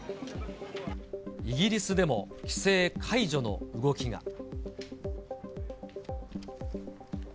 イギリスでも規制解除の動きが。